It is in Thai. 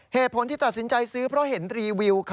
เหตุผลที่ตัดสินใจซื้อเพราะเห็นรีวิว